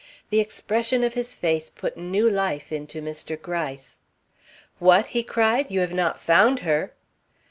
The expression of his face put new life into Mr. Gryce. "What!" he cried, "you have not found her?"